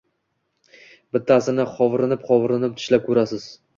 Bittasini hovrinib-hovrinib tishlab ko‘rasiz